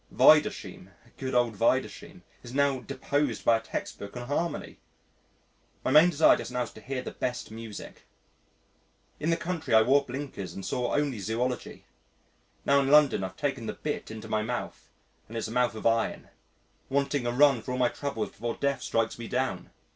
Wiedersheim (good old Wiedersheim) is now deposed by a text book on Harmony. My main desire just now is to hear the best music. In the country I wore blinkers and saw only zoology. Now in London, I've taken the bit in my mouth and it's a mouth of iron wanting a run for all my troubles before Death strikes me down.